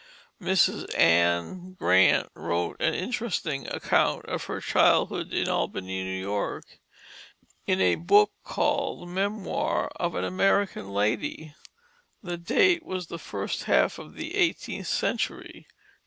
Mrs. Anne Grant wrote an interesting account of her childhood in Albany, New York, in a book called Memoir of an American Lady. The date was the first half of the eighteenth century.